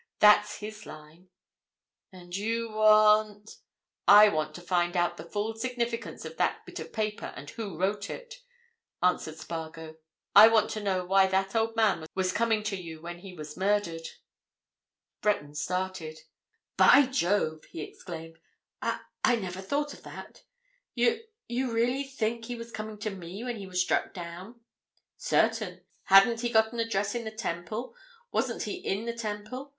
That's his line." "And you want——?" "I want to find out the full significance of that bit of paper, and who wrote it," answered Spargo. "I want to know why that old man was coming to you when he was murdered." Breton started. "By Jove!" he exclaimed. "I—I never thought of that. You—you really think he was coming to me when he was struck down?" "Certain. Hadn't he got an address in the Temple? Wasn't he in the Temple?